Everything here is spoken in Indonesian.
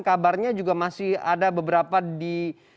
kabarnya juga masih ada beberapa di